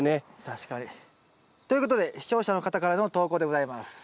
確かに。ということで視聴者の方からの投稿でございます。